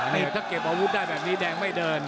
นี่ถ้าเก็บอาวุธได้แบบนี้แดงไม่เดิน